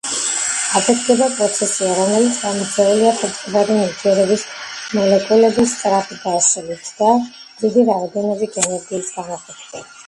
აფეთქება პროცესია რომელიც გამოწვეულია ფეთქებადი ნივთიერების მოლეკულების სწრაფი დაშლით და დიდი რაოდენობით ენერგიის გამოყოფით